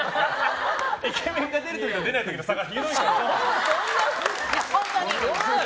イケメンが出る時と出ない時の差がひどい。